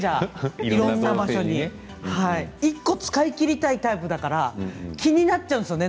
いろんな場所に１個使い切りたいタイプだから気になっちゃうんですよね